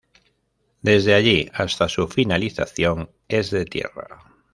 Desde allí hasta su finalización es de tierra.